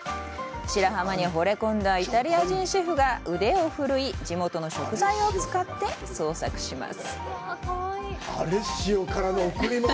白浜にほれ込んだイタリア人シェフが腕を振るい地元の食材を使って創作します。